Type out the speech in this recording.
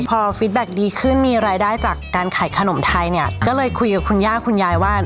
พอฟีดแบ็คดีขึ้นมีรายได้จากการขายขนมไทยเนี้ย